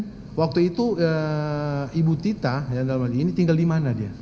nah waktu itu ibu tita dalam hal ini tinggal di mana dia